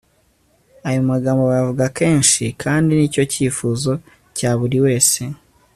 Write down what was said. ayo magambo bayavuga kenshi kandi ni cyo cyifuzo cya buri wese